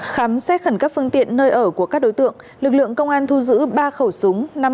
khám xét khẩn cấp phương tiện nơi ở của các đối tượng lực lượng công an thu giữ ba khẩu súng